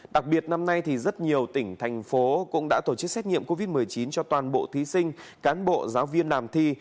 đặc biệt năm nay thì rất nhiều tỉnh thành phố cũng đã tổ chức xét nghiệm covid một mươi chín cho toàn bộ thí sinh cán bộ giáo viên làm thi